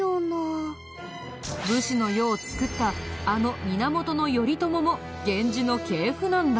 武士の世を作ったあの源頼朝も源氏の系譜なんだ。